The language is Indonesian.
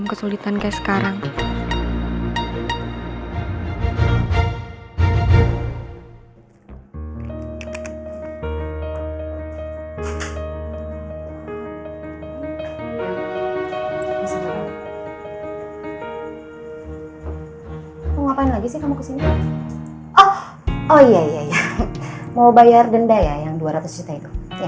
mau bayar denda ya yang dua ratus juta itu ya